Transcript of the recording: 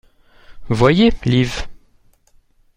(Voyez liv.